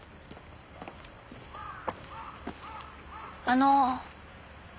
あの。